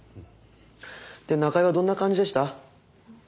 で中江はどんな感じでした？